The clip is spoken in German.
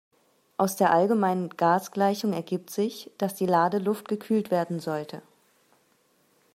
Aus der allgemeinen Gasgleichung ergibt sich, dass die Ladeluft gekühlt werden sollte.